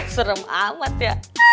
serem amat ya